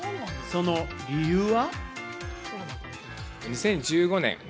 その理由は？